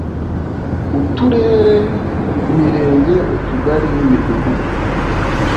Uturere imirenge utugari n imidugudu